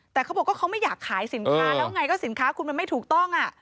แต่เขาบอกว่าเขาไม่อยากขายสินค้าแล้วไงก็สินค้าคุณมันไม่ถูกต้อง